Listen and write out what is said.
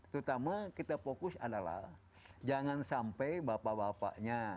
terutama kita fokus adalah jangan sampai bapak bapaknya